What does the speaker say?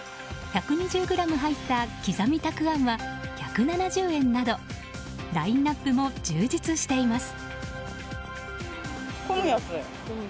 １２０ｇ入った刻みたくあんは１７０円などラインアップも充実しています。